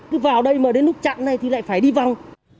cứ vào đây mà đến lúc chặn này thì lại phải đi vòng